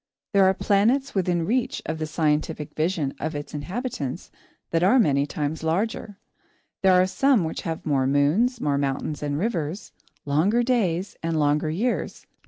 There are planets within reach of the scientific vision of its inhabitants that are many times larger. There are some which have more moons, more mountains and rivers, longer days, and longer years.